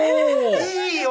いいよ！